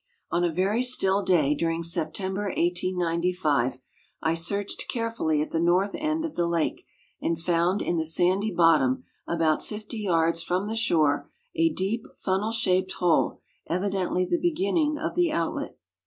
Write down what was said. On a very still day during Sei)tember, 1895, I searched carefully at the north end of the lake and found in the sandy bottom, about Hfty yards from the shore, a deep, funnel shaped hole, evidently the begin ning of tlie outlet.